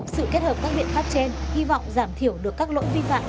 sự kết hợp các biện pháp trên hy vọng giảm thiểu được các lỗi vi phạm